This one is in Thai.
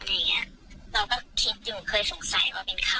อย่างเงี้ยเราก็คิดอยู่เคยสงสัยว่าเป็นใคร